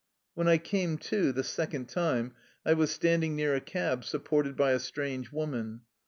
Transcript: When I came to the second time I was stand ing near a cab, supported by a strange woman.